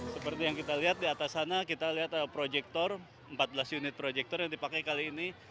seperti yang kita lihat di atas sana kita lihat proyektor empat belas unit proyektor yang dipakai kali ini